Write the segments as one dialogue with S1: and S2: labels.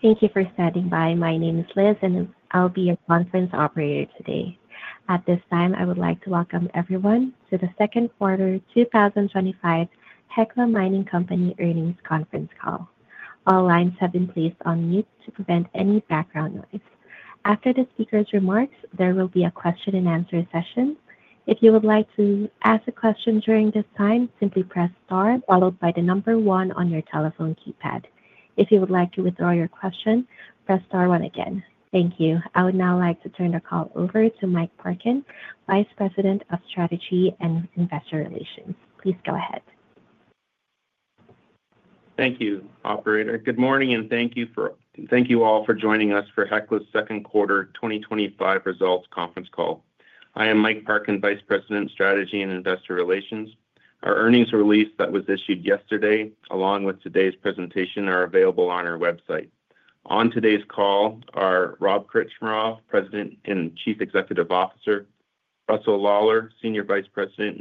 S1: Thank you for standing by. My name is Liz, and I'll be your conference operator today. At this time, I would like to welcome everyone to the second quarter 2025 Hecla Mining Company earnings conference call. All lines have been placed on mute to prevent any background noise. After the speaker's remarks, there will be a question and answer session. If you would like to ask a question during this time, simply press star followed by the number one on your telephone keypad. If you would like to withdraw your question, press star one again. Thank you. I would now like to turn the call over to Mike Parkin, Vice President, Strategy & Investor Relations. Please go ahead.
S2: Thank you, Operator. Good morning, and thank you all for joining us for Hecla Mining Company's second quarter 2025 results conference call. I am Mike Parkin, Vice President, Strategy and Investor Relations. Our earnings release that was issued yesterday, along with today's presentation, are available on our website. On today's call are Rob Krcmarov, President and Chief Executive Officer; Russell Lawlar,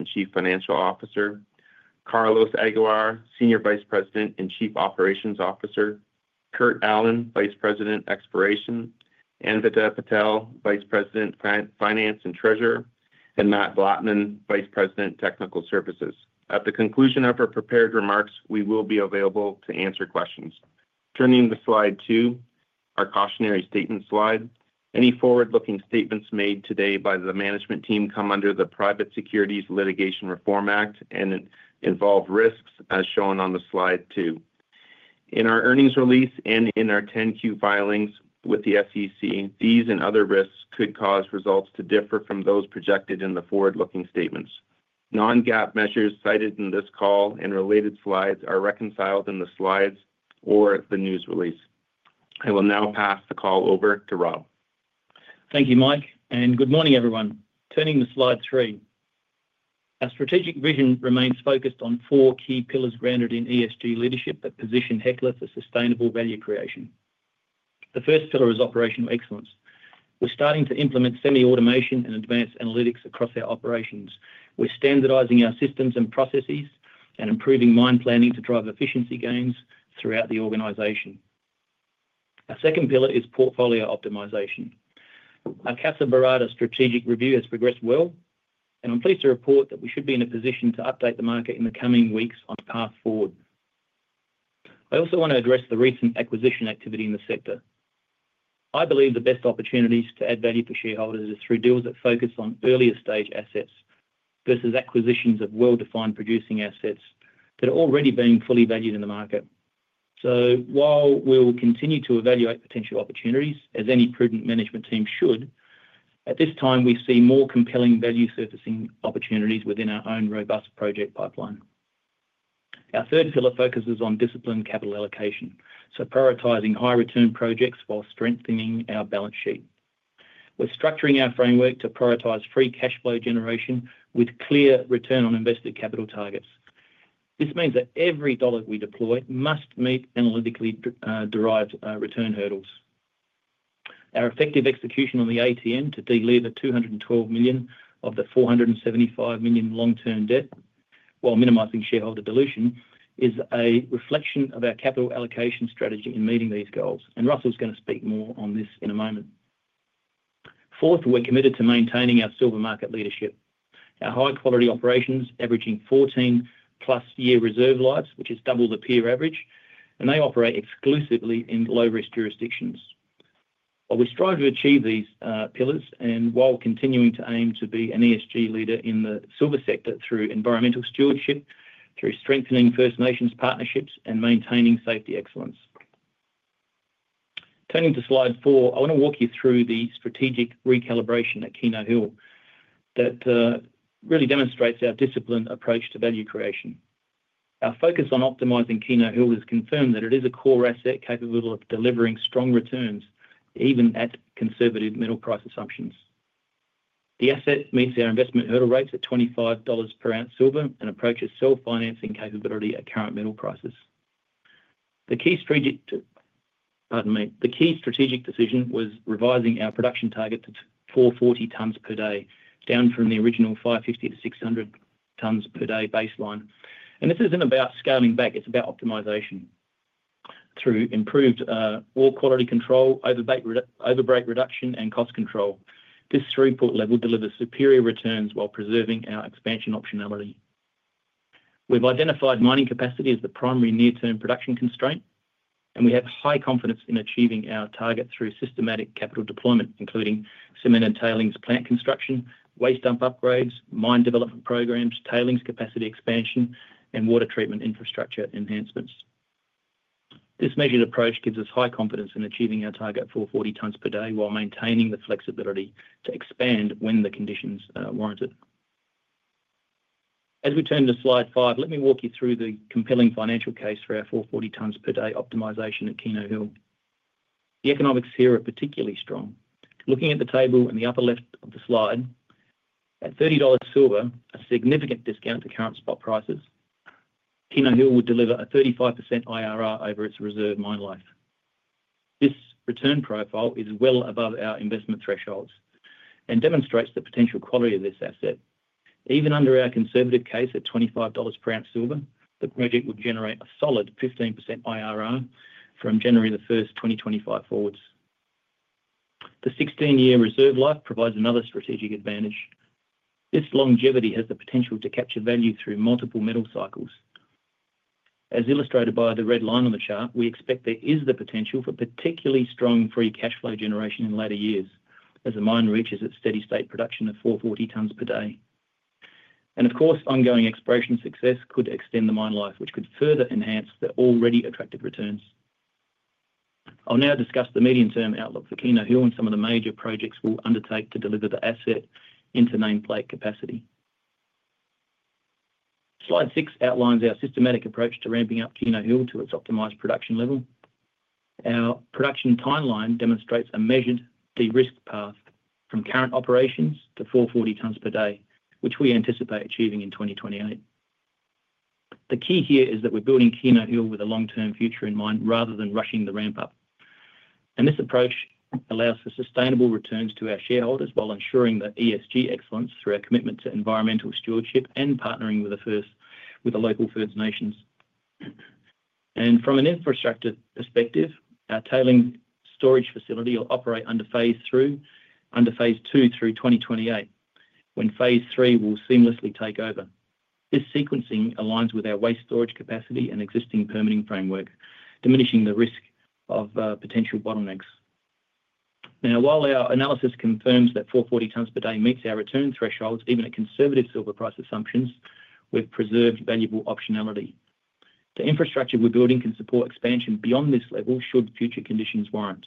S2: Chief Financial Officer; Carlos Aguiar, Chief Operating Officer; Kurt Allen, Vice President, Exploration; Anvita Patil, Vice President, Finance and Treasurer; and Matt Blattman, Vice President, Technical Services. At the conclusion of our prepared remarks, we will be available to answer questions. Turning to slide two, our cautionary statement slide, any forward-looking statements made today by the management team come under the Private Securities Litigation Reform Act and involve risks as shown on slide two. In our earnings release and in our 10-Q filings with the SEC, these and other risks could cause results to differ from those projected in the forward-looking statements. Non-GAAP measures cited in this call and related slides are reconciled in the slides or the news release. I will now pass the call over to Rob.
S3: Thank you, Mike, and good morning, everyone. Turning to slide three, our strategic vision remains focused on four key pillars grounded in ESG leadership that position Hecla for sustainable value creation. The first pillar is operational excellence. We're starting to implement semi-automation and advanced analytics across our operations. We're standardizing our systems and processes and improving mine planning to drive efficiency gains throughout the organization. Our second pillar is portfolio optimization. Our CASA Berardi strategic review has progressed well, and I'm pleased to report that we should be in a position to update the market in the coming weeks on a path forward. I also want to address the recent acquisition activity in the sector. I believe the best opportunities to add value for shareholders are through deals that focus on earlier-stage assets versus acquisitions of well-defined producing assets that are already being fully valued in the market. While we will continue to evaluate potential opportunities, as any prudent management team should, at this time we see more compelling value surfacing opportunities within our own robust project pipeline. Our third pillar focuses on disciplined capital allocation, prioritizing high-return projects while strengthening our balance sheet. We're structuring our framework to prioritize free cash flow generation with clear return on invested capital targets. This means that every dollar we deploy must meet analytically derived return hurdles. Our effective execution on the ATM to deliver $212 million of the $475 million long-term debt, while minimizing shareholder dilution, is a reflection of our capital allocation strategy in meeting these goals, and Russell is going to speak more on this in a moment. Fourth, we're committed to maintaining our silver market leadership. Our high-quality operations average 14+ year reserve lives, which is double the peer average, and they operate exclusively in low-risk jurisdictions. We strive to achieve these pillars, and we continue to aim to be an ESG leader in the silver sector through environmental stewardship, through strengthening First Nations partnerships, and maintaining safety excellence. Turning to slide four, I want to walk you through the strategic recalibration at Keno Hill that really demonstrates our disciplined approach to value creation. Our focus on optimizing Keno Hill has confirmed that it is a core asset capable of delivering strong returns, even at conservative metal price assumptions. The asset meets our investment hurdle rates at $25 per ounce silver and approaches self-financing capability at current metal prices. The key strategic decision was revising our production target to 440 tons per day, down from the original 550 tons-600 tons per day baseline. This isn't about scaling back; it's about optimization. Through improved wall quality control, over-break reduction, and cost control, this three-point level delivers superior returns while preserving our expansion optionality. We've identified mining capacity as the primary near-term production constraint, and we have high confidence in achieving our target through systematic capital deployment, including cement and tailings plant construction, waste dump upgrades, mine development programs, tailings capacity expansion, and water treatment infrastructure enhancements. This measured approach gives us high confidence in achieving our target of 440 tons per day while maintaining the flexibility to expand when the conditions are warranted. As we turn to slide five, let me walk you through the compelling financial case for our 440 tons per day optimization at Keno Hill. The economics here are particularly strong. Looking at the table in the upper left of the slide, at $30 silver, a significant discount to current spot prices, Keno Hill would deliver a 35% IRR over its reserve mine life. This return profile is well above our investment thresholds and demonstrates the potential quality of this asset. Even under our conservative case at $25 per ounce silver, the project would generate a solid 15% IRR from January 1st, 2025 forwards. The 16-year reserve life provides another strategic advantage. This longevity has the potential to capture value through multiple metal cycles. As illustrated by the red line on the chart, we expect there is the potential for particularly strong free cash flow generation in later years as the mine reaches its steady-state production of 440 tons per day. Ongoing exploration success could extend the mine life, which could further enhance the already attractive returns. I'll now discuss the medium-term outlook for Keno Hill and some of the major projects we'll undertake to deliver the asset into nameplate capacity. Slide six outlines our systematic approach to ramping up Keno Hill to its optimized production level. Our production timeline demonstrates a measured de-risk path from current operations to 440 tons per day, which we anticipate achieving in 2028. The key here is that we're building Keno Hill with a long-term future in mind rather than rushing the ramp-up. This approach allows for sustainable returns to our shareholders while ensuring ESG excellence through our commitment to environmental stewardship and partnering with the local First Nations. From an infrastructure perspective, our tailings storage facility will operate under phase two through 2028, when phase three will seamlessly take over. This sequencing aligns with our waste storage capacity and existing permitting framework, diminishing the risk of potential bottlenecks. While our analysis confirms that 440 tons per day meets our return thresholds, even at conservative silver price assumptions, we've preserved valuable optionality. The infrastructure we're building can support expansion beyond this level should future conditions warrant.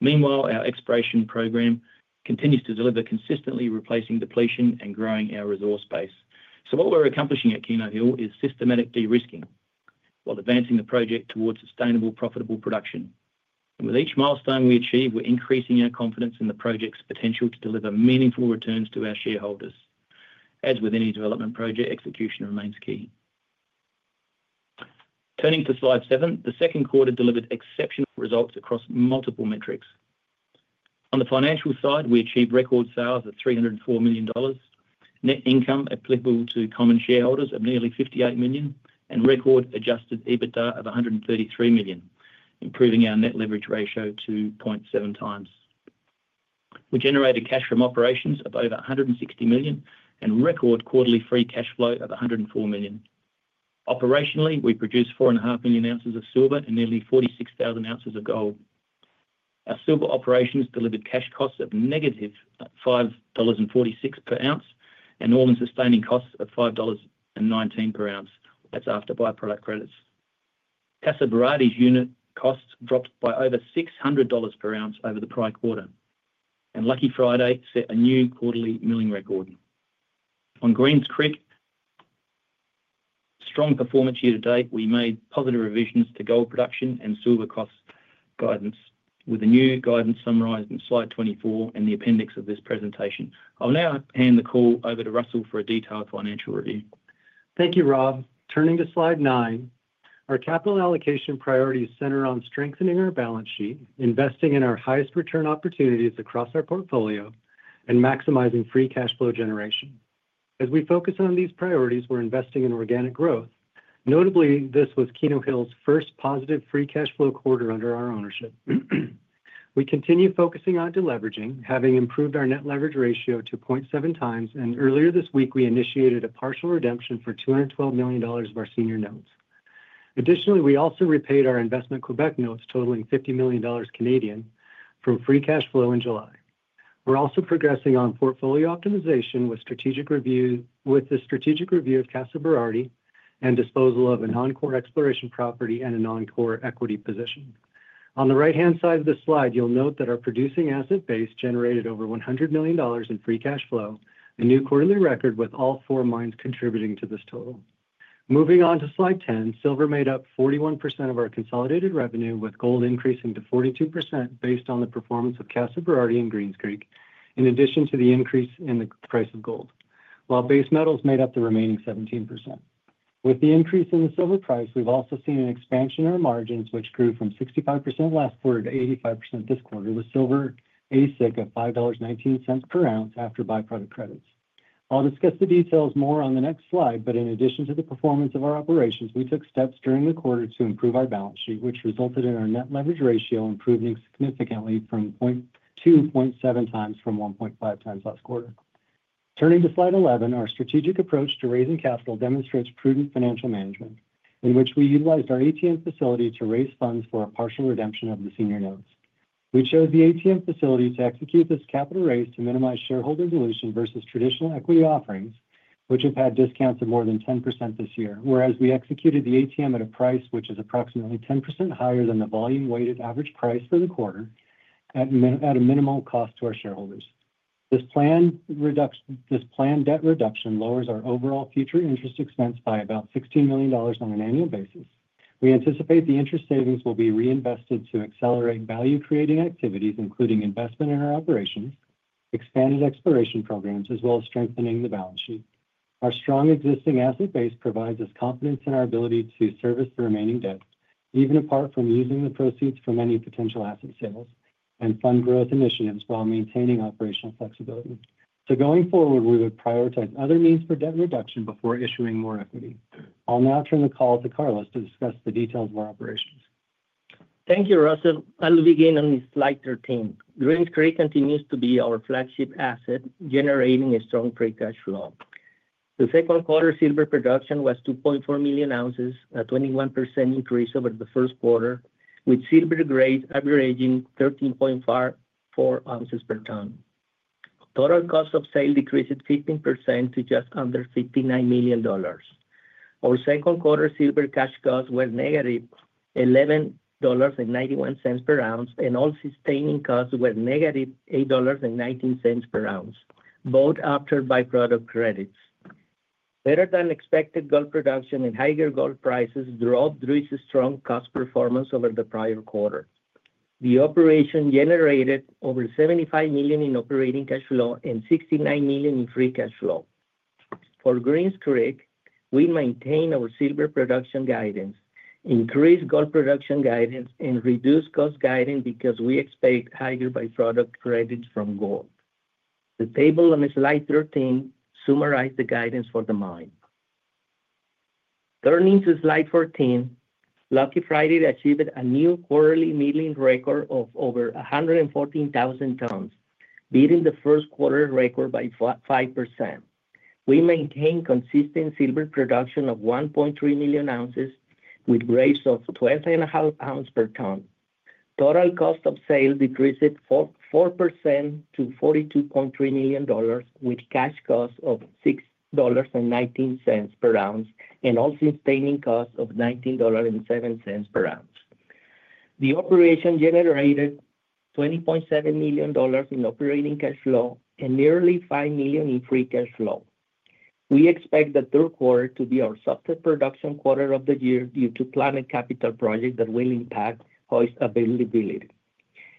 S3: Meanwhile, our exploration program continues to deliver consistently, replacing depletion and growing our resource base. What we're accomplishing at Keno Hill is systematic de-risking while advancing the project towards sustainable, profitable production. With each milestone we achieve, we're increasing our confidence in the project's potential to deliver meaningful returns to our shareholders. As with any development project, execution remains key. Turning to slide seven, the second quarter delivered exceptional results across multiple metrics. On the financial side, we achieved record sales of $304 million, net income applicable to common shareholders of nearly $58 million, and record adjusted EBITDA of $133 million, improving our net leverage ratio to 0.7x. We generated cash from operations of over $160 million and record quarterly free cash flow of $104 million. Operationally, we produced 4.5 million ounces of silver and nearly 46,000 ounces of gold. Our silver operations delivered cash costs of -$5.46 per ounce and all-in sustaining costs of $5.19 per ounce. That's after byproduct credits. CASA Berardi's unit costs dropped by over $600 per ounce over the prior quarter. Lucky Friday set a new quarterly milling record. On Greens Creek, strong performance year to date. We made positive revisions to gold production and silver cost guidance, with the new guidance summarized in slide 24 and the appendix of this presentation. I'll now hand the call over to Russell for a detailed financial review.
S4: Thank you, Rob. Turning to slide nine, our capital allocation priorities center on strengthening our balance sheet, investing in our highest return opportunities across our portfolio, and maximizing free cash flow generation. As we focus on these priorities, we're investing in organic growth. Notably, this was Keno Hill's first positive free cash flow quarter under our ownership. We continue focusing on deleveraging, having improved our net leverage ratio to 0.7x, and earlier this week, we initiated a partial redemption for $212 million of our senior notes. Additionally, we also repaid our investment Quebec notes totaling 50 million Canadian dollars from free cash flow in July. We're also progressing on portfolio optimization with strategic review of CASA Berardi and disposal of a non-core exploration property and a non-core equity position. On the right-hand side of the slide, you'll note that our producing asset base generated over $100 million in free cash flow, a new quarterly record with all four mines contributing to this total. Moving on to slide 10, silver made up 41% of our consolidated revenue, with gold increasing to 42% based on the performance of CASA Berardi and Greens Creek, in addition to the increase in the price of gold, while base metals made up the remaining 17%. With the increase in the silver price, we've also seen an expansion in our margins, which grew from 65% last quarter to 85% this quarter, with silver AISC at $5.19 per ounce after byproduct credits. I'll discuss the details more on the next slide, but in addition to the performance of our operations, we took steps during the quarter to improve our balance sheet, which resulted in our net leverage ratio improving significantly from 2.7x from 1.5 last quarter. Turning to slide 11, our strategic approach to raising capital demonstrates prudent financial management, in which we utilized our ATM facility to raise funds for a partial redemption of the senior notes. We chose the ATM facility to execute this capital raise to minimize shareholder dilution versus traditional equity offerings, which have had discounts of more than 10% this year, whereas we executed the ATM at a price which is approximately 10% higher than the volume weighted average price for the quarter at a minimal cost to our shareholders. This planned debt reduction lowers our overall future interest expense by about $16 million on an annual basis. We anticipate the interest savings will be reinvested to accelerate value-creating activities, including investment in our operations, expanded exploration programs, as well as strengthening the balance sheet. Our strong existing asset base provides us confidence in our ability to service the remaining debt, even apart from using the proceeds from any potential asset sales and fund growth initiatives while maintaining operational flexibility. Going forward, we would prioritize other means for debt reduction before issuing more equity. I'll now turn the call to Carlos to discuss the details of our operations.
S5: Thank you, Russell. I'll begin on slide 13. Greens Creek continues to be our flagship asset, generating a strong free cash flow. The second quarter's silver production was 2.4 million ounces, a 21% increase over the first quarter, with silver grades averaging 13.54 ounces per ton. Total cost of sale decreased 15% to just under $59 million. Our second quarter's silver cash cost was negative $11.91 per ounce, and all-in sustaining costs were negative $8.19 per ounce, both after byproduct credits. Better than expected gold production and higher gold prices drove Greens Creek's strong cost performance over the prior quarter. The operation generated over $75 million in operating cash flow and $69 million in free cash flow. For Greens Creek, we maintain our silver production guidance, increased gold production guidance, and reduced cost guidance because we expect higher byproduct credits from gold. The table on slide 13 summarizes the guidance for the mine. Turning to slide 14, Lucky Friday achieved a new quarterly milling record of over 114,000 tons, beating the first quarter record by 5%. We maintain consistent silver production of 1.3 million ounces, with grades of 12.5 ounces per ton. Total cost of sale decreased 4% to $42.3 million, with cash costs of $6.19 per ounce and all-in sustaining costs of $19.07 per ounce. The operation generated $20.7 million in operating cash flow and nearly $5 million in free cash flow. We expect the third quarter to be our softer production quarter of the year due to planned capital projects that will impact cost availability,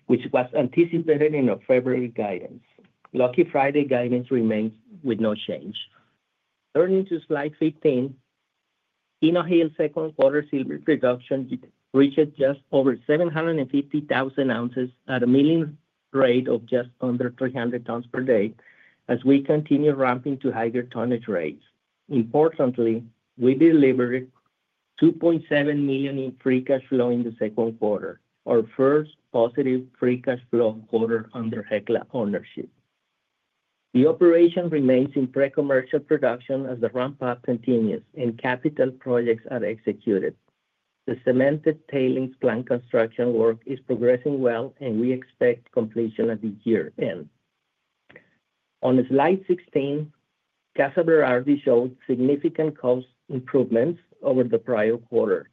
S5: which was anticipated in our February guidance. Lucky Friday guidance remains with no change. Turning to slide 15, Keno Hill's second quarter's silver production reached just over 750,000 ounces at a milling rate of just under 300 tons per day as we continue ramping to higher tonnage rates. Importantly, we delivered $2.7 million in free cash flow in the second quarter, our first positive free cash flow quarter under Hecla ownership. The operation remains in pre-commercial production as the ramp-up continues and capital projects are executed. The cemented tailings plant construction work is progressing well, and we expect completion at the year's end. On slide 16, CASA Berardi showed significant cost improvements over the prior quarter,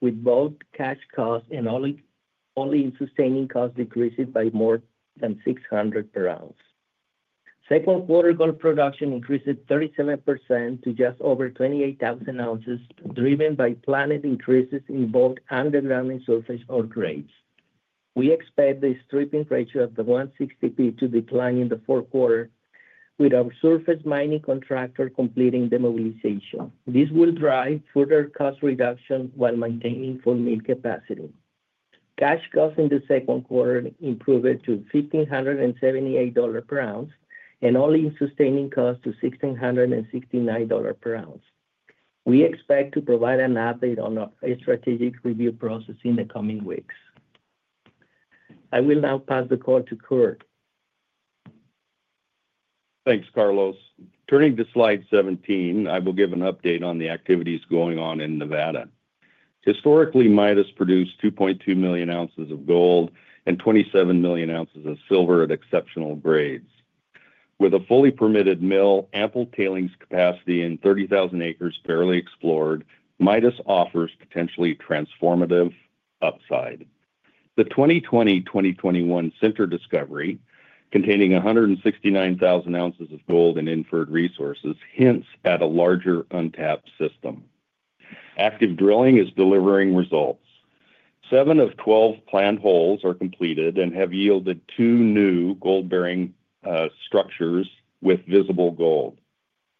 S5: with both cash costs and all-in sustaining costs decreasing by more than $600 per ounce. Second quarter gold production increased 37% to just over 28,000 ounces, driven by planned increases in both underground and surface outputs. We expect the stripping ratio of the 160P to decline in the fourth quarter, with our surface mining contractor completing demobilization. This will drive further cost reduction while maintaining full mill capacity. Cash costs in the second quarter improved to $1,578 per ounce and all-in sustaining costs to $1,669 per ounce. We expect to provide an update on our strategic review process in the coming weeks. I will now pass the call to Kurt.
S6: Thanks, Carlos. Turning to slide 17, I will give an update on the activities going on in Nevada. Historically, Midas produced 2.2 million ounces of gold and 27 million ounces of silver at exceptional grades. With a fully permitted mill, ample tailings capacity, and 30,000 acres barely explored, Midas offers potentially transformative upside. The 2020-2021 center discovery containing 169,000 ounces of gold and inferred resources hints at a larger untapped system. Active drilling is delivering results. Seven of 12 planned holes are completed and have yielded two new gold-bearing structures with visible gold.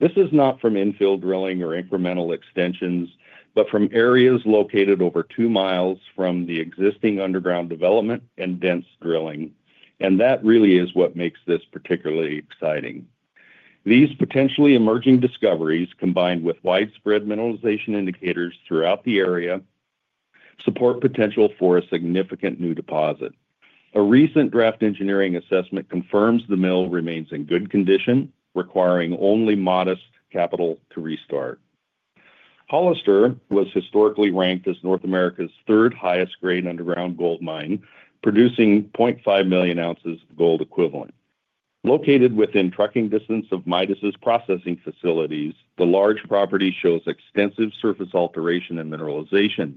S6: This is not from infill drilling or incremental extensions, but from areas located over two miles from the existing underground development and dense drilling, and that really is what makes this particularly exciting. These potentially emerging discoveries, combined with widespread mineralization indicators throughout the area, support potential for a significant new deposit. A recent draft engineering assessment confirms the mill remains in good condition, requiring only modest capital to restart. Hollister was historically ranked as North America's third highest-grade underground gold mine, producing 0.5 million ounces of gold equivalent. Located within trucking distance of Midas' processing facilities, the large property shows extensive surface alteration and mineralization.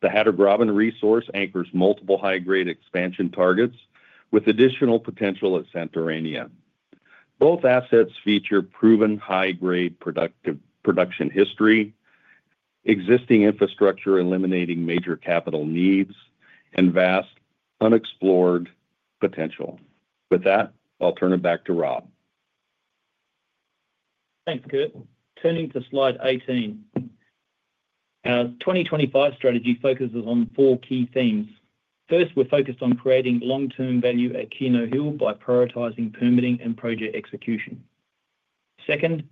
S6: The [Hadar Graben] resource anchors multiple high-grade expansion targets with additional potential at Santorini. Both assets feature proven high-grade production history, existing infrastructure eliminating major capital needs, and vast unexplored potential. With that, I'll turn it back to Rob.
S3: Thanks, Kurt. Turning to slide 18, our 2025 strategy focuses on four key themes. First, we're focused on creating long-term value at Keno Hill by prioritizing permitting and project execution. Second,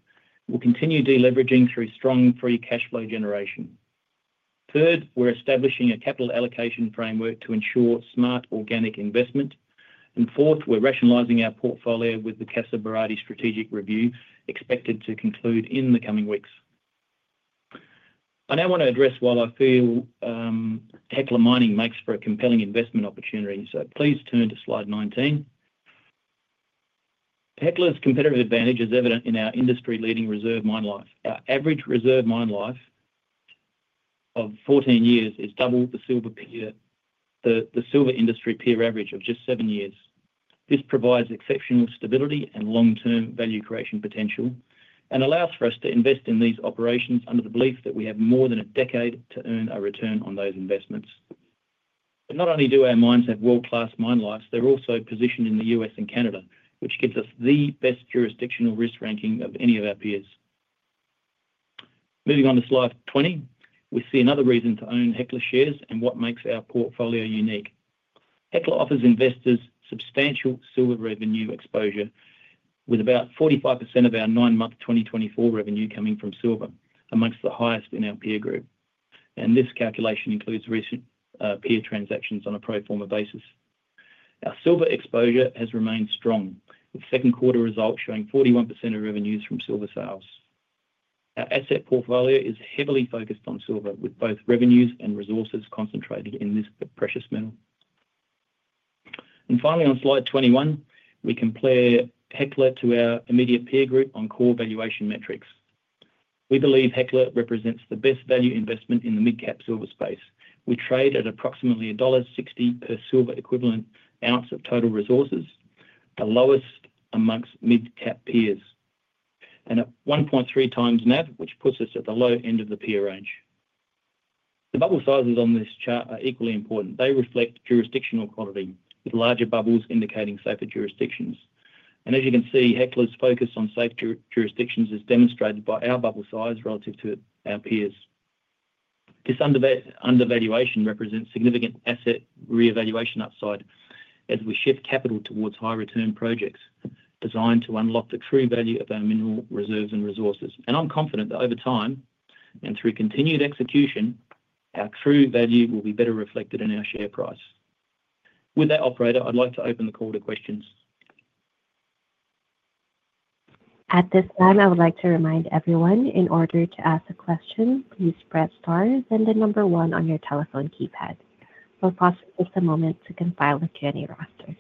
S3: we'll continue deleveraging through strong free cash flow generation. Third, we're establishing a capital allocation framework to ensure smart organic investment. Fourth, we're rationalizing our portfolio with the CASA Berardi strategic review expected to conclude in the coming weeks. I now want to address why I feel Hecla Mining Company makes for a compelling investment opportunity, so please turn to slide 19. Hecla's competitive advantage is evident in our industry-leading reserve mine life. Our average reserve mine life of 14 years is double the silver industry peer average of just 7 years. This provides exceptional stability and long-term value creation potential and allows for us to invest in these operations under the belief that we have more than a decade to earn a return on those investments. Not only do our mines have world-class mine lives, they're also positioned in the U.S. and Canada, which gives us the best jurisdictional risk ranking of any of our peers. Moving on to slide 20, we see another reason to own Hecla shares and what makes our portfolio unique. Hecla offers investors substantial silver revenue exposure, with about 45% of our nine-month 2024 revenue coming from silver, amongst the highest in our peer group. This calculation includes recent peer transactions on a pro forma basis. Our silver exposure has remained strong, with second quarter results showing 41% of revenues from silver sales. Our asset portfolio is heavily focused on silver, with both revenues and resources concentrated in this precious metal. Finally, on slide 21, we compare Hecla to our immediate peer group on core valuation metrics. We believe Hecla represents the best value investment in the mid-cap silver space. We trade at approximately $1.60 per silver equivalent ounce of total resources, the lowest amongst mid-cap peers, and at 1.3x NAV, which puts us at the low end of the peer range. The bubble sizes on this chart are equally important. They reflect jurisdictional quality, with larger bubbles indicating safer jurisdictions. As you can see, Hecla's focus on safe jurisdictions is demonstrated by our bubble size relative to our peers. This undervaluation represents significant asset reevaluation upside as we shift capital towards high-return projects designed to unlock the true value of our mineral reserves and resources. I'm confident that over time and through continued execution, our true value will be better reflected in our share price. With that, Operator, I'd like to open the call to questions.
S1: At this time, I would like to remind everyone, in order to ask a question, please press star then the number one on your telephone keypad. We'll pause for just a moment to compile the Q&A roster.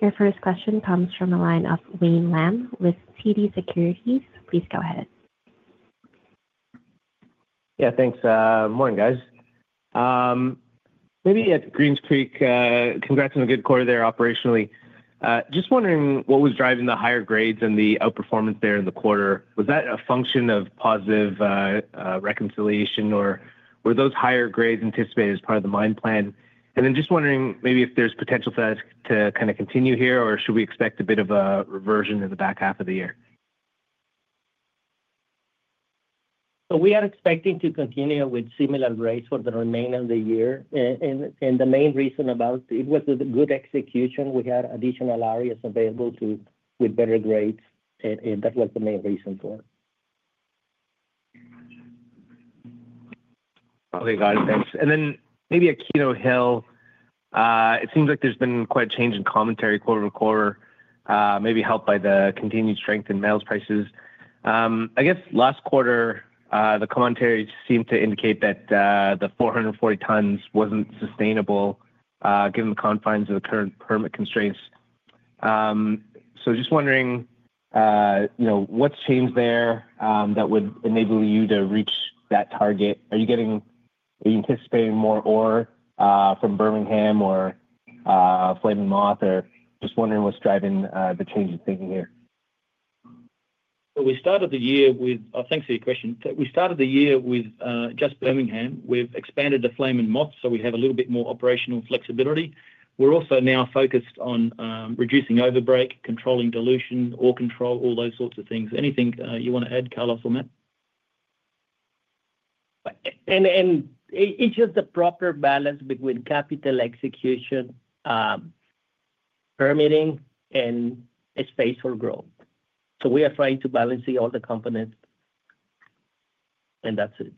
S1: Your first question comes from a line of Wayne Lam with TD Securities. Please go ahead.
S7: Yeah, thanks. Morning, guys. Maybe at Greens Creek, congrats on a good quarter there operationally. Just wondering what was driving the higher grades and the outperformance there in the quarter. Was that a function of positive reconciliation, or were those higher grades anticipated as part of the mine plan? Just wondering maybe if there's potential for that to kind of continue here, or should we expect a bit of a reversion in the back half of the year?
S5: We are expecting to continue with similar grades for the remainder of the year. The main reason for this was the good execution. We had additional areas available with better grades, and that was the main reason for it.
S7: Okay, got it. Thanks. Maybe at Keno Hill, it seems like there's been quite a change in commentary quarter-on-quarter, maybe helped by the continued strength in metal prices. I guess last quarter, the commentary seemed to indicate that the 440 tons wasn't sustainable given the confines of the current permit constraints. Just wondering, you know, what's changed there that would enable you to reach that target? Are you anticipating more ore from Birmingham or Flaming Moth? Just wondering what's driving the change in thinking here.
S3: Thank you for your question. We started the year with just Birmingham. We've expanded to Flaming Moth, so we have a little bit more operational flexibility. We're also now focused on reducing overbreak, controlling dilution, ore control, all those sorts of things. Anything you want to add, Carlos, or Matt?
S5: It is just the proper balance between capital execution, permitting, and space for growth. We are trying to balance all the components, and that's it.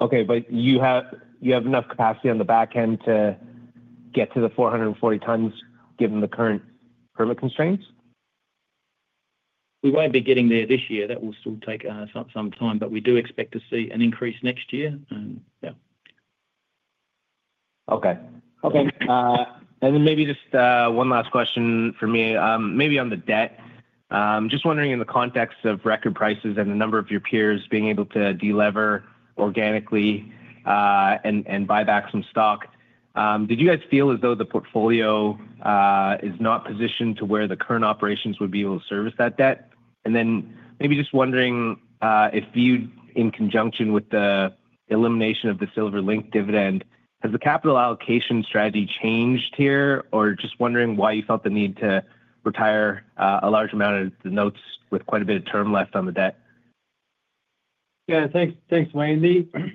S7: Okay, you have enough capacity on the back end to get to the 440 tons given the current permit constraints?
S3: We won't be getting there this year. That will still take some time, but we do expect to see an increase next year.
S7: Okay. Okay. Maybe just one last question from me, maybe on the debt. Just wondering in the context of record prices and the number of your peers being able to delever organically and buy back some stock, did you guys feel as though the portfolio is not positioned to where the current operations would be able to service that debt? Just wondering if viewed in conjunction with the elimination of the Silver Link dividend, has the capital allocation strategy changed here, or just wondering why you felt the need to retire a large amount of the notes with quite a bit of term left on the debt?
S4: Yeah, thanks, thanks, Wayne.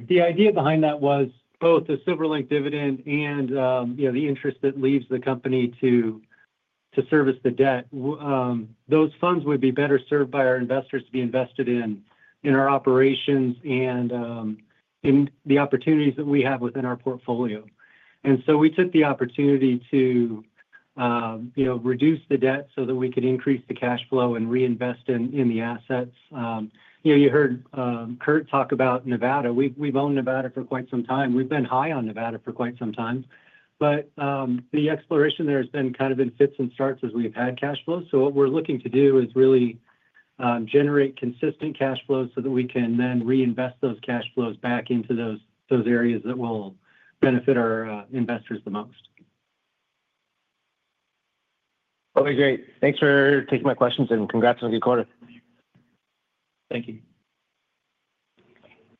S4: The idea behind that was both the Silver Link dividend and the interest that leaves the company to service the debt. Those funds would be better served by our investors to be invested in our operations and in the opportunities that we have within our portfolio. We took the opportunity to reduce the debt so that we could increase the cash flow and reinvest in the assets. You know, you heard Kurt talk about Nevada. We've owned Nevada for quite some time. We've been high on Nevada for quite some time. The exploration there has been kind of in fits and starts as we've had cash flow. What we're looking to do is really generate consistent cash flow so that we can then reinvest those cash flows back into those areas that will benefit our investors the most.
S7: Okay, great. Thanks for taking my questions and congrats on a good quarter.
S4: Thank you.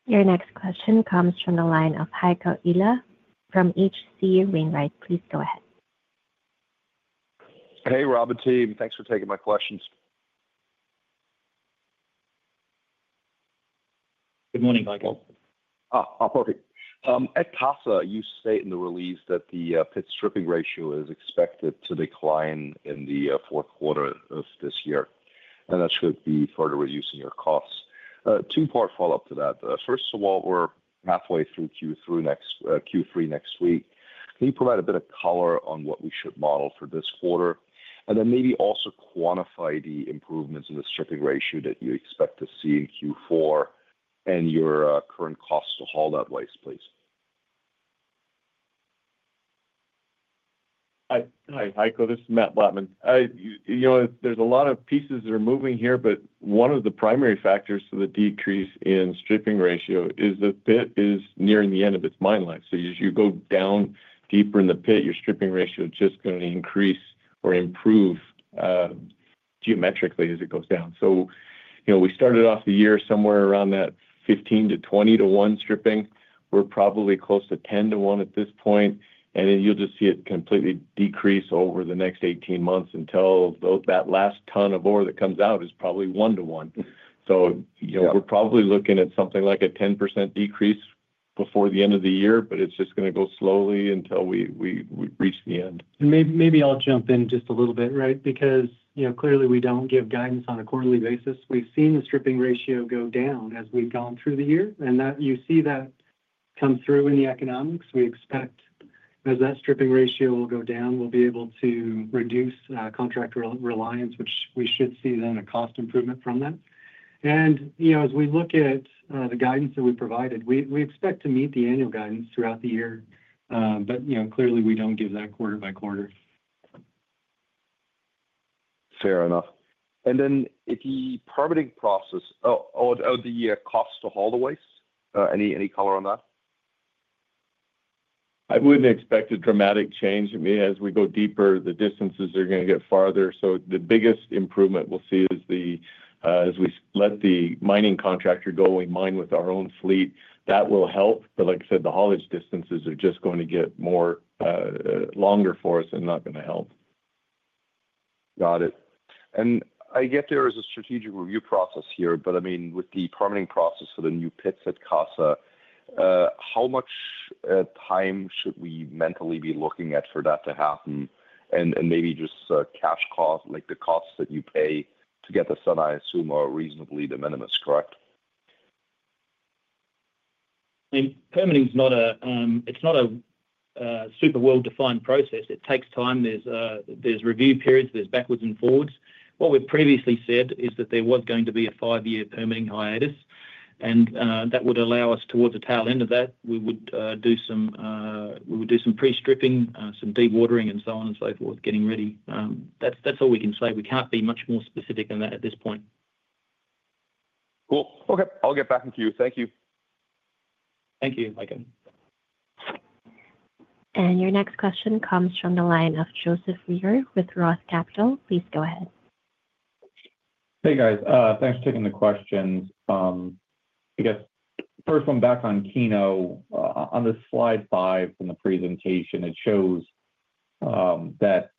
S1: Your next question comes from the line of Heiko Ihle from H.C. Wainwright. Please go ahead.
S8: Hey, Rob and team. Thanks for taking my questions.
S4: Good morning, Heiko.
S8: Oh, perfect. At CASA, you state in the release that the pit stripping ratio is expected to decline in the fourth quarter of this year. That should be further reducing your costs. Two-part follow-up to that. First of all, we're halfway through Q3 next week. Can you provide a bit of color on what we should model for this quarter? Maybe also quantify the improvements in the stripping ratio that you expect to see in Q4 and your current costs to haul that waste, please.
S9: Hi, Heiko. This is Matt Blattman. There are a lot of pieces that are moving here, but one of the primary factors to the decrease in stripping ratio is the pit is nearing the end of its mine life. As you go down deeper in the pit, your stripping ratio is just going to increase or improve geometrically as it goes down. We started off the year somewhere around that 15-20 to one stripping. We're probably close to 10 to 1 at this point. You'll just see it completely decrease over the next 18 months until that last ton of ore that comes out is probably 1 to 1. We're probably looking at something like a 10% decrease before the end of the year, but it's just going to go slowly until we reach the end.
S4: Maybe I'll jump in just a little bit, right? Because, you know, clearly we don't give guidance on a quarterly basis. We've seen the stripping ratio go down as we've gone through the year, and you see that come through in the economics. We expect as that stripping ratio will go down, we'll be able to reduce contract reliance, which we should see then a cost improvement from that. As we look at the guidance that we provided, we expect to meet the annual guidance throughout the year. You know, clearly we don't give that quarter by quarter.
S8: Fair enough. The permitting process or the cost to haul the waste, any color on that?
S9: I wouldn't expect a dramatic change. As we go deeper, the distances are going to get farther. The biggest improvement we'll see is as we let the mining contractor go and mine with our own fleet, that will help. Like I said, the haulage distances are just going to get longer for us and not going to help.
S8: Got it. I get there is a strategic review process here, but with the permitting process for the new pits at CASA Berardi, how much time should we mentally be looking at for that to happen? Maybe just cash costs, like the costs that you pay to get the sundries, I assume are reasonably de minimis, correct?
S3: Permitting is not a super well-defined process. It takes time. There are review periods, backwards and forwards. What we've previously said is that there was going to be a five-year permitting hiatus. That would allow us, towards the tail end of that, to do some pre-stripping, some dewatering, and so on and so forth, getting ready. That's all we can say. We can't be much more specific than that at this point.
S8: Cool. Okay, I'll get back to you. Thank you.
S3: Thank you, Heiko.
S1: Your next question comes from the line of Joseph Reagor with ROTH Capital Markets. Please go ahead.
S10: Hey, guys. Thanks for taking the questions. I guess first, I'm back on Keno. On the slide five from the presentation, it shows that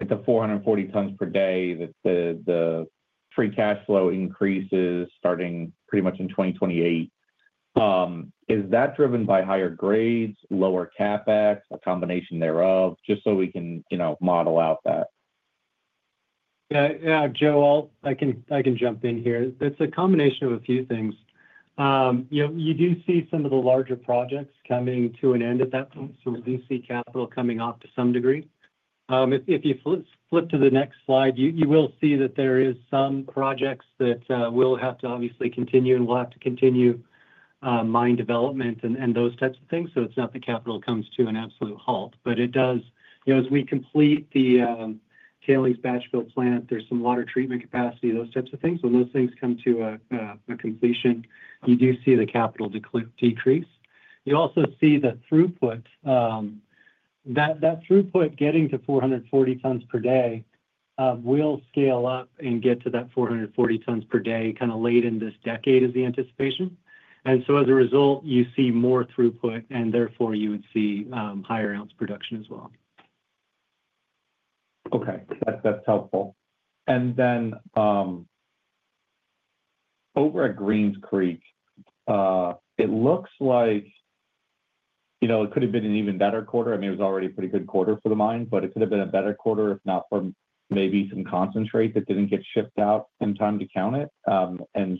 S10: at the 440 tons per day, that the free cash flow increases starting pretty much in 2028. Is that driven by higher grades, lower CapEx, a combination thereof, just so we can, you know, model out that?
S4: Yeah, Joel, I can jump in here. It's a combination of a few things. You do see some of the larger projects coming to an end at that point. You do see capital coming off to some degree. If you flip to the next slide, you will see that there are some projects that will have to obviously continue and will have to continue mine development and those types of things. It's not that capital comes to an absolute halt, but it does. As we complete the tailings batch build plant, there's some water treatment capacity, those types of things. When those things come to a completion, you do see the capital decrease. You also see that throughput, that throughput getting to 440 tons per day will scale up and get to that 440 tons per day kind of late in this decade is the anticipation. As a result, you see more throughput, and therefore you would see higher ounce production as well.
S10: Okay. That's helpful. Over at Greens Creek, it looks like it could have been an even better quarter. I mean, it was already a pretty good quarter for the mine, but it could have been a better quarter if not for maybe some concentrate that didn't get shipped out in time to count it.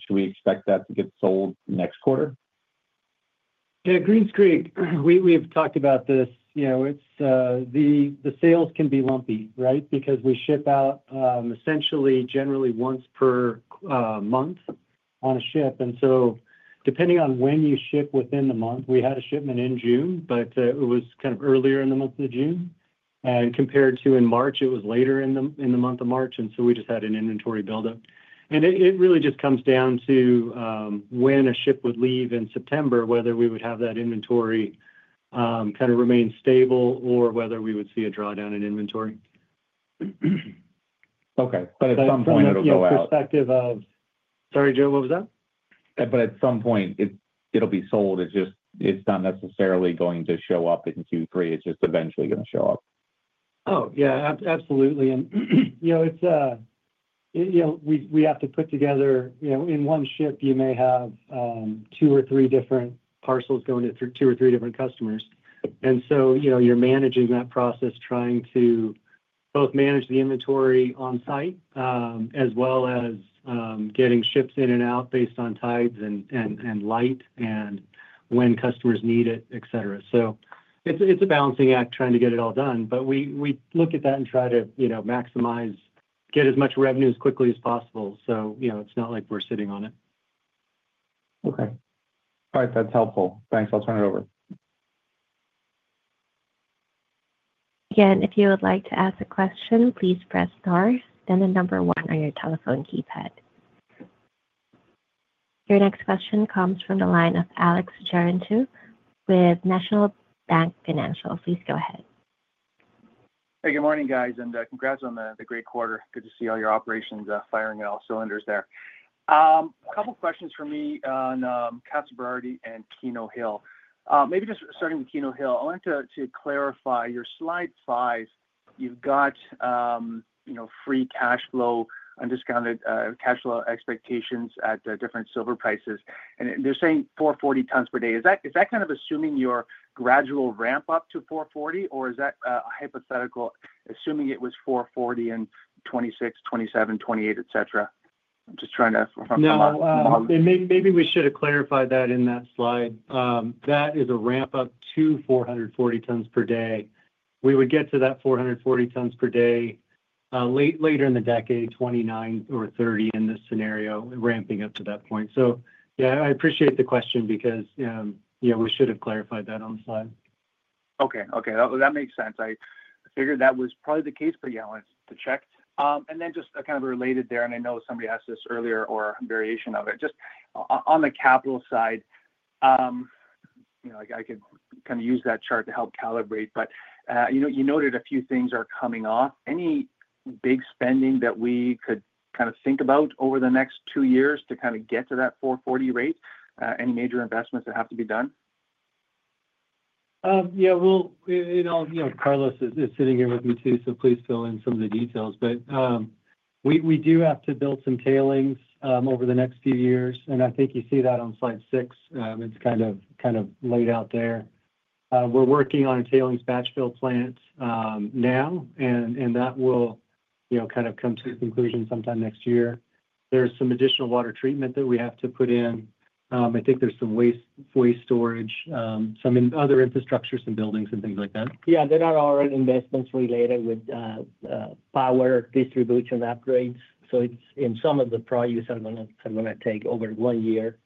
S10: Should we expect that to get sold next quarter?
S4: Yeah, Greens Creek, we've talked about this. You know, the sales can be lumpy, right? Because we ship out essentially generally once per month on a ship. Depending on when you ship within the month, we had a shipment in June, but it was kind of earlier in the month of June. Compared to in March, it was later in the month of March. We just had an inventory buildup. It really just comes down to when a ship would leave in September, whether we would have that inventory kind of remain stable or whether we would see a drawdown in inventory.
S10: Okay, at some point, it'll go out.
S4: From the perspective of, sorry, Joe, what was that?
S10: At some point, it'll be sold. It's just, it's not necessarily going to show up in Q3. It's just eventually going to show up.
S4: Oh, yeah, absolutely. You know, we have to put together, in one ship, you may have two or three different parcels going to two or three different customers. You are managing that process, trying to both manage the inventory on site, as well as getting ships in and out based on types and light and when customers need it, etc. It is a balancing act trying to get it all done. We look at that and try to maximize, get as much revenue as quickly as possible. It is not like we're sitting on it.
S10: Okay. All right. That's helpful. Thanks. I'll turn it over.
S1: Again, if you would like to ask a question, please press star, then the number one on your telephone keypad. Your next question comes from the line of Alex Terentiew with National Bank Financial. Please go ahead.
S11: Hey, good morning, guys, and congrats on the great quarter. Good to see all your operations firing in all cylinders there. A couple of questions for me on CASA Berardi and Keno Hill. Maybe just starting with Keno Hill, I wanted to clarify your slide five. You've got, you know, free cash flow and discounted cash flow expectations at different silver prices. They're saying 440 tons per day. Is that kind of assuming your gradual ramp-up to 440, or is that a hypothetical assuming it was 440 in 2026, 2027, 2028, etc.? I'm just trying to remember.
S4: Yeah, maybe we should have clarified that in that slide. That is a ramp-up to 440 tons per day. We would get to that 440 tons per day later in the decade, 2029 or 2030 in this scenario, ramping up to that point. I appreciate the question because, you know, we should have clarified that on the slide.
S11: Okay. That makes sense. I figured that was probably the case, but yeah, I wanted to check. Just kind of related there, and I know somebody asked this earlier or a variation of it, just on the capital side, you know, I could kind of use that chart to help calibrate, but you noted a few things are coming off. Any big spending that we could kind of think about over the next two years to get to that $440 rate? Any major investments that have to be done?
S4: Yeah, you know, Carlos is sitting here with me too, so please fill in some of the details. We do have to build some tailings over the next few years, and I think you see that on slide six. It's kind of laid out there. We're working on a tailings batch build plant now, and that will, you know, kind of come to the conclusion sometime next year. There's some additional water treatment that we have to put in. I think there's some waste storage, some other infrastructure, some buildings, and things like that.
S5: Yeah, there are already investments related with power distribution upgrades. In some of the projects that are going to take over one year,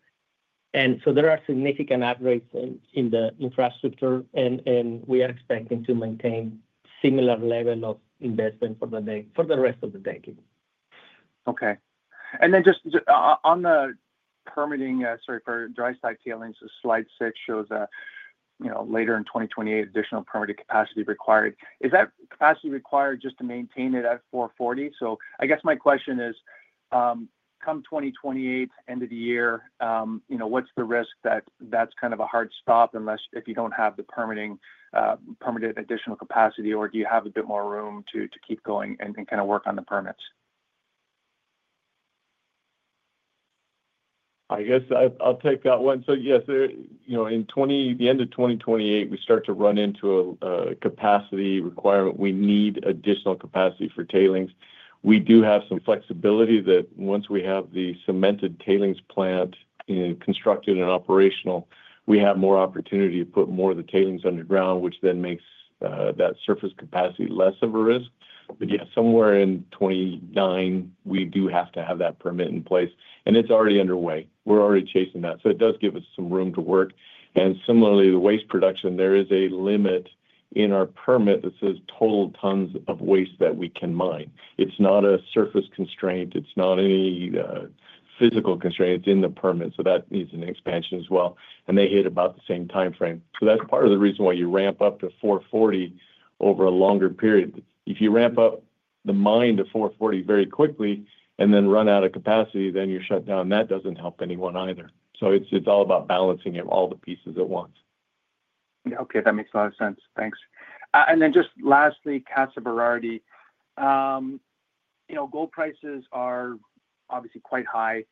S5: there are significant upgrades in the infrastructure, and we are expecting to maintain a similar level of investment for the rest of the decade.
S11: Okay. On the permitting for dry site tailings, slide six shows that later in 2028, additional permitting capacity is required. Is that capacity required just to maintain it at 440? My question is, come 2028, end of the year, what's the risk that that's kind of a hard stop unless you have the permitted additional capacity, or do you have a bit more room to keep going and work on the permits?
S9: I guess I'll take that one. Yes, you know, in the end of 2028, we start to run into a capacity requirement. We need additional capacity for tailings. We do have some flexibility that once we have the cemented tailings plant constructed and operational, we have more opportunity to put more of the tailings underground, which then makes that surface capacity less of a risk. Yeah, somewhere in 2029, we do have to have that permit in place. It's already underway. We're already chasing that. It does give us some room to work. Similarly, the waste production, there is a limit in our permit that says total tons of waste that we can mine. It's not a surface constraint. It's not any physical constraint. It's in the permit. That needs an expansion as well, and they hit about the same timeframe. That's part of the reason why you ramp up to 440 over a longer period. If you ramp up the mine to 440 very quickly and then run out of capacity, then you're shut down. That doesn't help anyone either. It's all about balancing all the pieces at once.
S11: Yeah, okay. That makes a lot of sense. Thanks. Just lastly, CASA Berardi, gold prices are obviously quite high.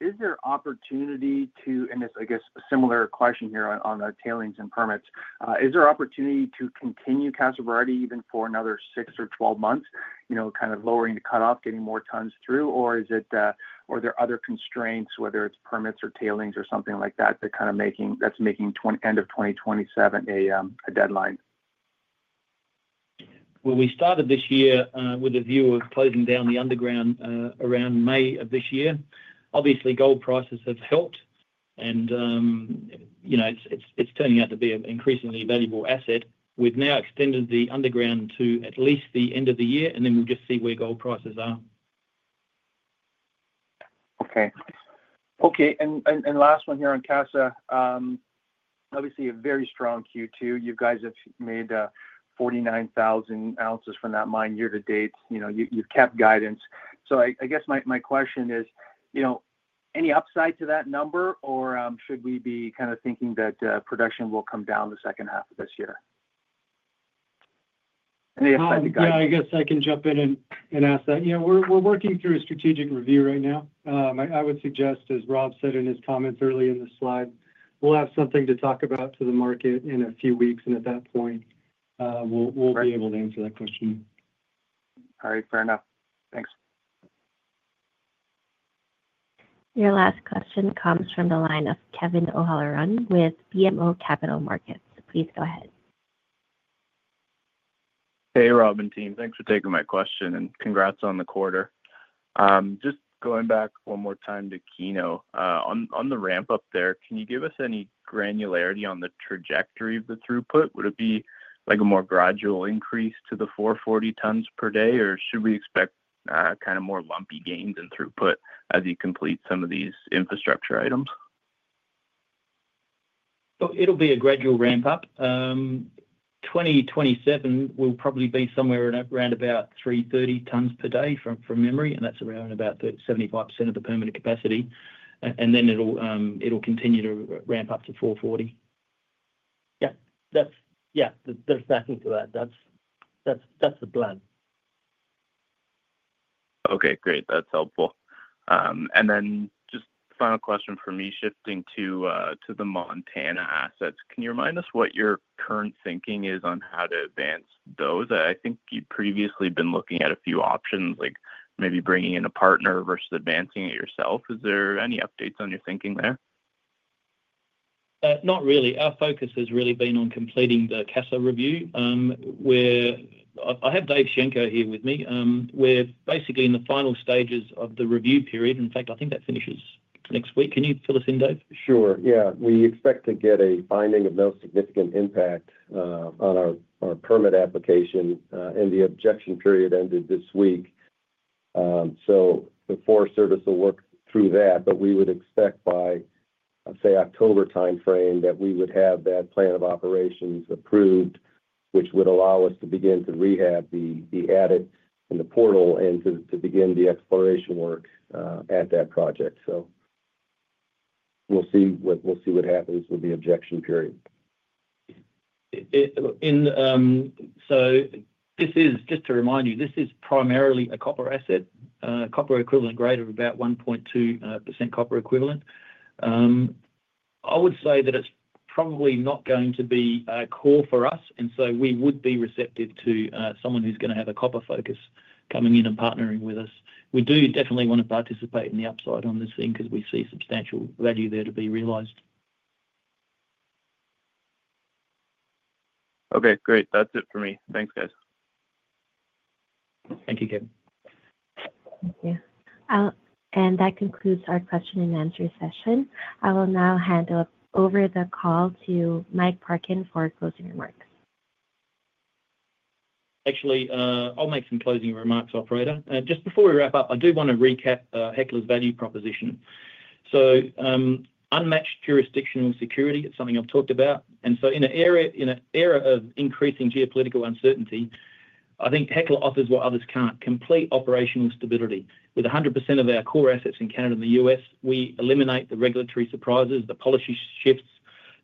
S11: Is there opportunity to, and I guess a similar question here on the tailings and permits, is there opportunity to continue CASA Berardi even for another 6 or 12 months, you know, kind of lowering the cutoff, getting more tons through, or are there other constraints, whether it's permits or tailings or something like that, that kind of making end of 2027 a deadline?
S3: We started this year with a view of closing down the underground around May of this year. Obviously, gold prices have helped, and you know, it's turning out to be an increasingly valuable asset. We've now extended the underground to at least the end of the year, and then we'll just see where gold prices are.
S11: Okay. Last one here on CASA, obviously a very strong Q2. You guys have made 49,000 ounces from that mine year to date. You've kept guidance. I guess my question is, you know, any upside to that number, or should we be kind of thinking that production will come down the second half of this year?
S4: I guess I can jump in and aswer that. You know, we're working through a strategic review right now. I would suggest, as Rob said in his comments early in the slide, we'll have something to talk about for the market in a few weeks, and at that point, we'll be able to answer that question.
S11: All right. Fair enough. Thanks.
S1: Your last question comes from the line of Kevin O'Halloran with BMO Capital Markets. Please go ahead.
S12: Hey, Rob and team, thanks for taking my question, and congrats on the quarter. Just going back one more time to Keno, on the ramp-up there, can you give us any granularity on the trajectory of the throughput? Would it be like a more gradual increase to the 440 tons per day, or should we expect kind of more lumpy gains in throughput as you complete some of these infrastructure items?
S3: It'll be a gradual ramp-up. In 2027, we'll probably be somewhere at around 330 tons per day from memory, and that's around 75% of the permanent capacity. It'll continue to ramp up to 440. Yeah, that's, yeah, there's nothing to that. That's the plan.
S12: Okay, great. That's helpful. Just final question for me, shifting to the Montana assets. Can you remind us what your current thinking is on how to advance those? I think you've previously been looking at a few options, like maybe bringing in a partner versus advancing it yourself. Is there any updates on your thinking there?
S3: Not really. Our focus has really been on completing the CASA review. I have David Sienko here with me. We're basically in the final stages of the review period. In fact, I think that finishes next week. Can you fill us in, David?
S13: Sure. Yeah. We expect to get a finding of no significant impact on our permit application, and the objection period ended this week. The Forest Service will work through that. We would expect by, say, October timeframe that we would have that plan of operations approved, which would allow us to begin to rehab the adit and the portal and to begin the exploration work at that project. We'll see what happens with the objection period.
S3: This is, just to remind you, primarily a copper asset, a copper equivalent grade of about 1.2% copper equivalent. I would say that it's probably not going to be a core for us, and we would be receptive to someone who's going to have a copper focus coming in and partnering with us. We do definitely want to participate in the upside on this thing because we see substantial value there to be realized.
S12: Okay, great. That's it for me. Thanks, guys.
S3: Thank you, Kevin.
S1: Thank you. That concludes our question and answer session. I will now hand over the call to Mike Parkin for closing remarks.
S3: Actually, I'll make some closing remarks, Operator. Just before we wrap up, I do want to recap Hecla's value proposition. Unmatched jurisdictional security is something I've talked about. In an era of increasing geopolitical uncertainty, I think Hecla offers what others can't: complete operational stability. With 100% of our core assets in Canada and the U.S., we eliminate the regulatory surprises, the policy shifts,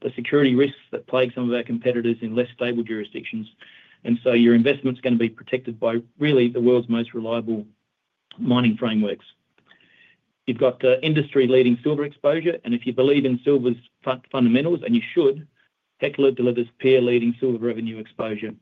S3: the security risks that plague some of our competitors in less stable jurisdictions. Your investment's going to be protected by really the world's most reliable mining frameworks. You've got industry-leading silver exposure, and if you believe in silver's fundamentals, and you should, Hecla delivers peer-leading silver revenue exposure.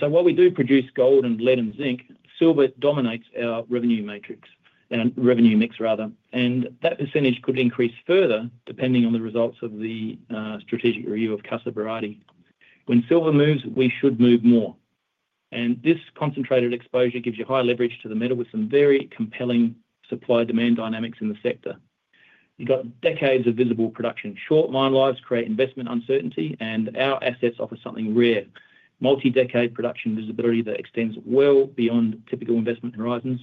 S3: While we do produce gold and lead and zinc, silver dominates our revenue matrix, our revenue mix, rather. That percentage could increase further depending on the results of the strategic review of CASA Berardi. When silver moves, we should move more. This concentrated exposure gives you high leverage to the metal with some very compelling supply-demand dynamics in the sector. You've got decades of visible production. Short mine lives create investment uncertainty, and our assets offer something rare: multi-decade production visibility that extends well beyond typical investment horizons.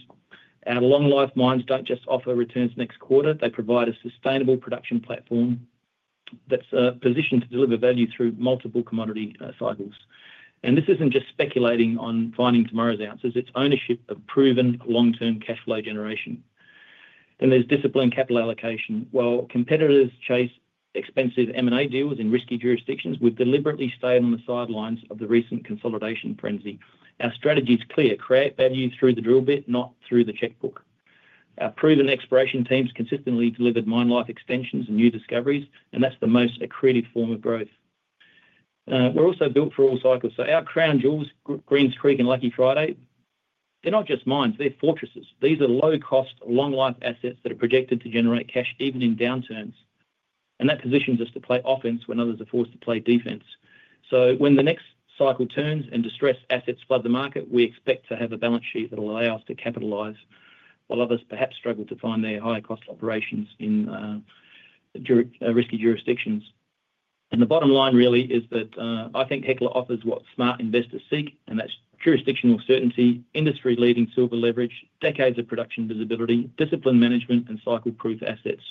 S3: Our long-life mines don't just offer returns next quarter; they provide a sustainable production platform that's positioned to deliver value through multiple commodity cycles. This isn't just speculating on finding tomorrow's ounces; it's ownership of proven long-term cash flow generation. There's disciplined capital allocation. While competitors chase expensive M&A deals in risky jurisdictions, we're deliberately staying on the sidelines of the recent consolidation frenzy. Our strategy is clear: create value through the drill bit, not through the checkbook. Our proven exploration teams consistently delivered mine life extensions and new discoveries, and that's the most accretive form of growth. We're also built for all cycles. Our crown jewels, Greens Creek and Lucky Friday, they're not just mines; they're fortresses. These are low-cost, long-life assets that are projected to generate cash even in downturns. That positions us to play offense when others are forced to play defense. When the next cycle turns and distressed assets flood the market, we expect to have a balance sheet that will allow us to capitalize while others perhaps struggle to find their high-cost operations in risky jurisdictions. The bottom line really is that I think Hecla offers what smart investors seek, and that's jurisdictional certainty, industry-leading silver leverage, decades of production visibility, disciplined management, and cycle-proof assets.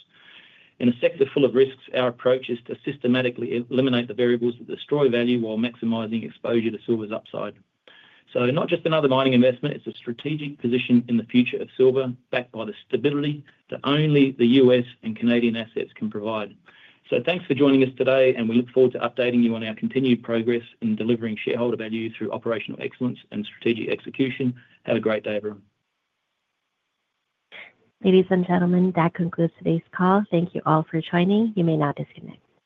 S3: In a sector full of risks, our approach is to systematically eliminate the variables that destroy value while maximizing exposure to silver's upside. This is not just another mining investment, it's a strategic position in the future of silver backed by the stability that only the U.S. and Canadian assets can provide. Thanks for joining us today, and we look forward to updating you on our continued progress in delivering shareholder value through operational excellence and strategic execution. Have a great day, everyone.
S1: Ladies and gentlemen, that concludes today's call. Thank you all for joining. You may now disconnect.